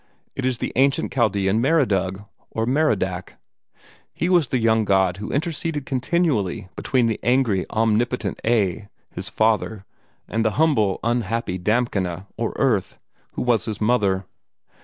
It is the ancient Chaldean Meridug, or Merodach. He was the young god who interceded continually between the angry, omnipotent Ea, his father, and the humble and unhappy Damkina, or Earth, who was his mother.